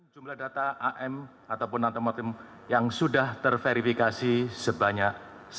jumlah data am ataupun antemotim yang sudah terverifikasi sebanyak satu ratus delapan puluh sembilan